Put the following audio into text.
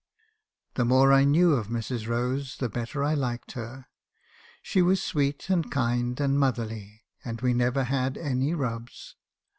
"The more I knew of Mrs. Rose, the better I liked her. She was sweet, and kind, and motherly, and we never had any rubs.